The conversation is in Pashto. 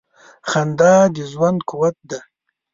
• خندا د ژوند قوت دی.